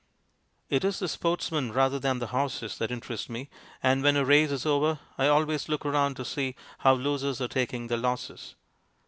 It is the sportsmen rather than the horses that interest me, and when a race is over I always look round to see how losers are taking their losses.